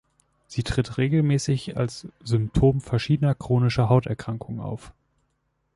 Sie tritt regelmäßig als Symptom verschiedener chronischer Hauterkrankungen auf.